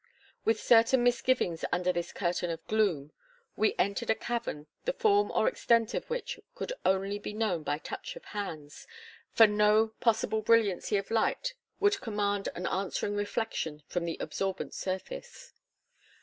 With certain misgivings under this curtain of gloom, we entered a cavern the form or extent of which could only be known by touch of hands, for no possible brilliancy of light would command an answering reflection from the absorbent surface.